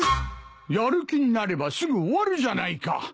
やる気になればすぐ終わるじゃないか。